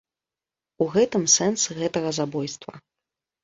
У гэтым сэнс гэтага забойства.